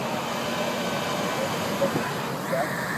ھين وري کپي وري لئي جا